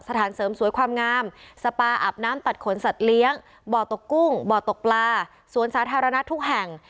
สถานเสริมสวยความงามสปาอาบน้ำตัดขนสัตว์เลี้ยงบ่อตกกุ้งบ่อตกปลาสวนสาธารณะทุกแห่ง